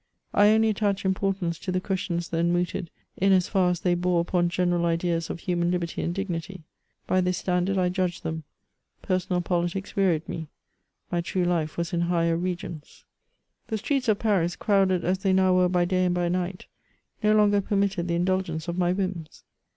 I only attached importance to the questions then mooted, in as far as they hore upon general ideas of human liberty and dignity ; by this standard I judged them ; persona] politics wearied me ; my true life was iii higher regions. The streets of Paris, crowded as they now were by day and by night, no longer permitted the indulgence of my whims.